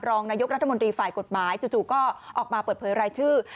รองนายกรัฐมนตรีฝ่ายกฎหมายจู่ก็ออกมาเปิดเผยรายชื่อ